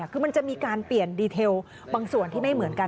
คือมันจะมีการเปลี่ยนดีเทลบางส่วนที่ไม่เหมือนกัน